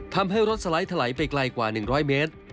ทำให้รถสไลด์ถลายไปไกลกว่า๑๐๐เมตร